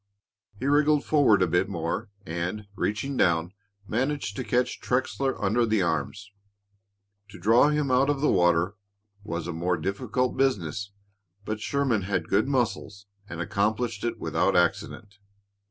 He wriggled forward a bit more and, reaching down, managed to catch Trexler under the arms. To draw him out of the water was a more difficult business, but Sherman had good muscles and accomplished it without accident.